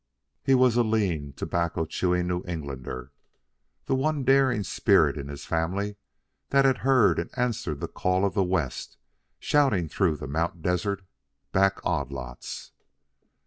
He was a lean tobacco chewing New Englander, the one daring spirit in his family that had heard and answered the call of the West shouting through the Mount Desert back odd lots.